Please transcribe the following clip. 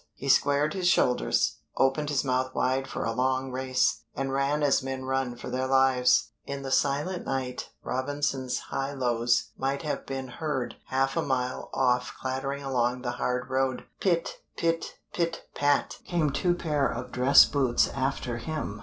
He squared his shoulders, opened his mouth wide for a long race, and ran as men run for their lives. In the silent night Robinson's highlows might have been heard half a mile off clattering along the hard road. Pit pit pit pat! came two pair of dress boots after him.